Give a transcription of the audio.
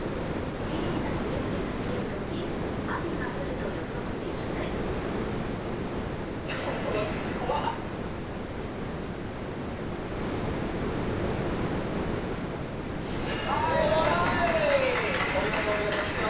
きれいな夕焼けが見える時雨が降ると予測できないあよかった！